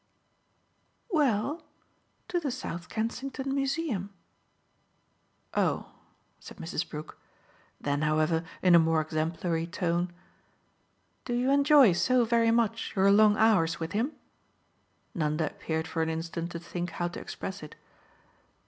"Well, to the South Kensington Museum." "Oh!" said Mrs. Brook. Then, however, in a more exemplary tone: "Do you enjoy so very much your long hours with him?" Nanda appeared for an instant to think how to express it.